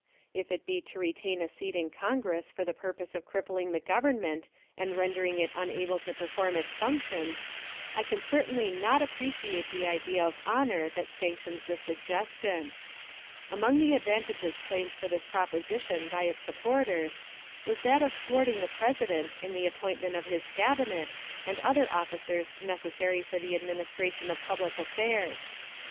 If it be to retain a seat in Congress for the purpose of crippling the Government and rendering it unable to perform its functions, I can certainly not appreciate the idea of honor that sanctions the suggestion. Among the advantages claimed for this proposition by its supporters was that of thwarting the President in the appointment of his Cabinet and other officers necessary for the administration of public affairs.